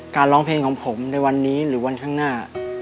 ร้องเพลงของผมในวันนี้หรือวันข้างหน้า